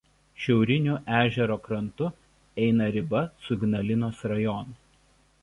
Šiauriniu ežero krantu eina riba su Ignalinos rajonu.